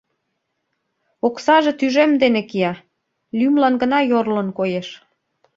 Оксаже тӱжем дене кия, лӱмлан гына йорлын коеш».